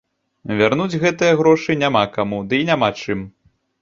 Вярнуць гэтыя грошы няма каму, ды і няма чым.